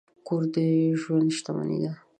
کور د ژوند شتمني ده.